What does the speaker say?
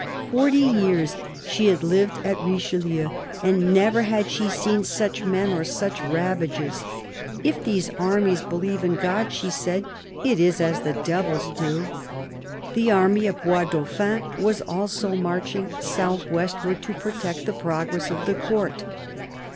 Forty years she had lived at Richelieu, and never had she seen such men or such ravages. " If these armies believe in God," she said, " it is as the devils do." The army of Bois Dauphin was also marching south westward, to protect the progress of the Court.